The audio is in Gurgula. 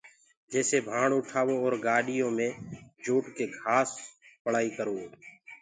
جيسي ڀآڻ اُٺآوو اور گآڏِيو مي جوٽڪي گھآس پݪائيٚ ڪروو